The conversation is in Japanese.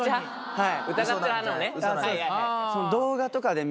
はい。